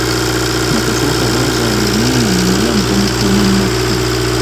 Mu kusooka bazaala omwana muwala ne bamutuuma Nakku.